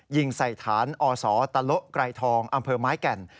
ยิงใส่ฐานอศตะโละไกรทองอำเภอไม้แก่น